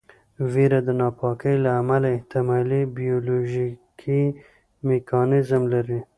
ویره د ناپاکۍ له امله احتمالي بیولوژیکي میکانیزم لري.